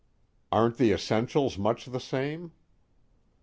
"Aren't the essentials much the same?"